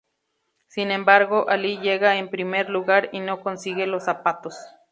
Sin embargo, Ali llega en primer lugar y no consigue los zapatos.